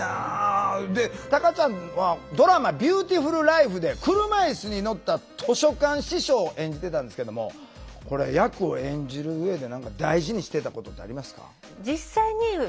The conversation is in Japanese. でタカちゃんはドラマ「ビューティフルライフ」で車いすに乗った図書館司書を演じてたんですけどもこれ役を演じる上で何か大事にしてたことってありますか？